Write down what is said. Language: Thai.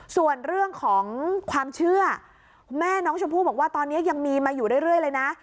ส่วนเรื่องของความเชื่อแม่น้องชมพู่บอกว่าตอนนี้ยังมีมาอยู่เรื่อยเลยนะ